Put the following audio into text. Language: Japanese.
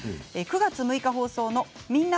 ９月６日放送の「みんな！